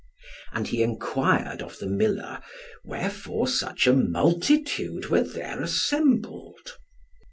And he enquired of the miller, wherefore such a multitude were there assembled.